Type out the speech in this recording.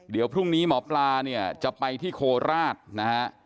เดี๋ยวพรุ่งนี้หมอปลาเนี่ยจะไปที่โคราชนะฮะ